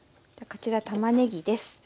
こちらたまねぎです。